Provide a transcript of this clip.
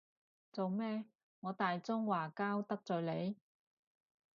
做咩，我大中華膠得罪你？